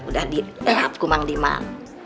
udah diap kumang dimang